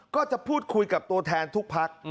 ก็จะพูดคุยกับตัวแทนทุกพัก